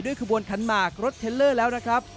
ขบวนขันหมากรถเทลเลอร์แล้วนะครับ